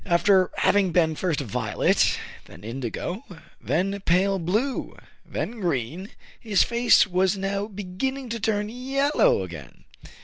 After having been first violet, then indigo, then pale blue, then green, his face was now beginning to turn yellow again.